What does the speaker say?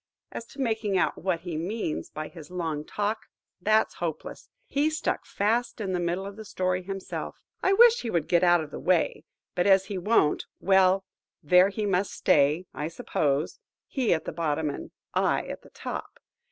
As to making out what he means by his long talk, that's hopeless. He stuck fast in the middle of the story himself. I wish he would get out of the way; but as he won't,–well,–there he must stay, I suppose–he at the bottom, and I at the top.